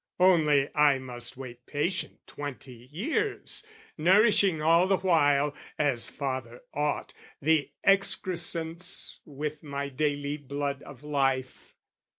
Only I must wait patient twenty years Nourishing all the while, as father ought, The excrescence with my daily blood of life.